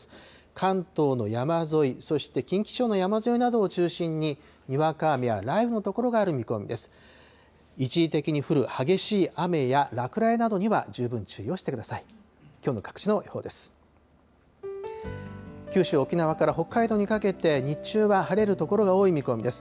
関東の山沿い、そして近畿地方の山沿いなどを中心に、にわか雨や雷雨の所がある見込みです。